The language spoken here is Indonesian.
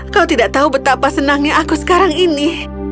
kau tidak tahu betapa senangnya aku sekarang ini